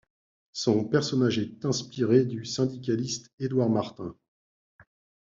Son personnage est inspiré du syndicaliste Édouard Martin.